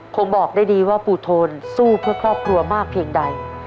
คงบอกได้ดีว่าปู่โทนสู้เพื่อครอบครัวมากเพียงใด